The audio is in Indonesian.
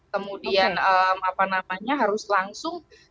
kemudian apa namanya harus langsung